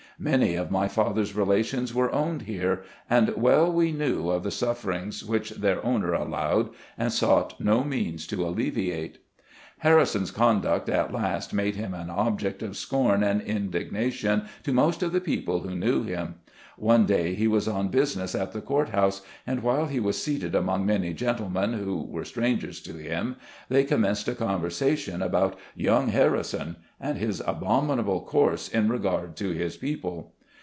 Many of my father's relations were owned here, and well we knew of the sufferings which their owner allowed, and sought no means to alleviate. Harrison's conduct at last made him an object of scorn and indignation to most of the people who knew him. One day, he was on business at the court house, and while he was seated among many gentlemen, who were strangers to him, they com menced a conversation about "young Harrison", and his abominable course in regard to his people.